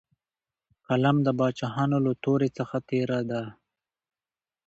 قلم د باچاهانو له تورې څخه تېره دی.